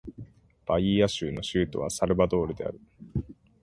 バイーア州の州都はサルヴァドールである